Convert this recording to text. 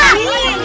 udah kita ambil aja